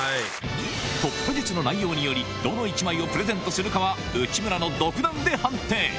突破術の内容により、どの１枚をプレゼントするかは、内村の独断で判定。